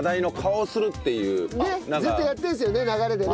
っつってそのずっとやってるんですよね流れでね。